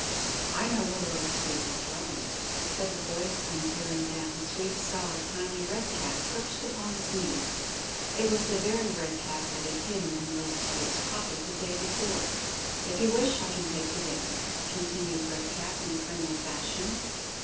"I know where Little Sweep is dwelling," said the voice, and peering down, Sweep saw a tiny Red Cap perched upon his knee. (It was the very Red Cap that had hidden in Little Sweep's pocket the day before.) "If you wish, I can take you there," continued Red Cap in a friendly fashion.